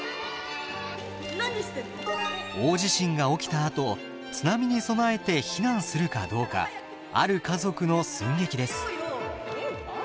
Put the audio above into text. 大地震が起きたあと津波に備えて避難するかどうかある家族の寸劇です。